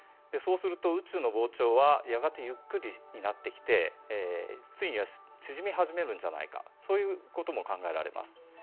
そうすると宇宙の膨張はやがてゆっくりになってきてついには縮みはじめるんじゃないかそういうことも考えられます。